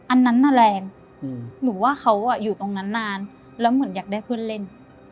อันนั้นน่ะแรงหนูว่าเขาอยู่ตรงนั้นนานแล้วเหมือนอยากได้เพื่อนเล่น